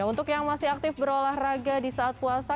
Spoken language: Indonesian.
untuk yang masih aktif berolahraga di saat puasa